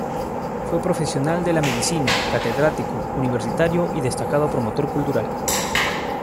Fue profesional de la medicina, catedrático universitario y destacado promotor cultural.